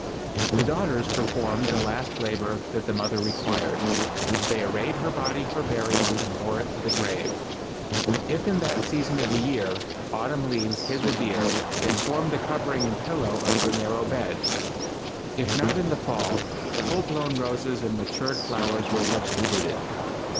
The daughters performed the last labor that the mother required. They arrayed her body for burial and bore it to the grave. If in that season of the year, autumn leaves hid the bier, and formed the covering and pillow of her narrow bed. If not in the fall, full blown roses and matured flowers were substituted.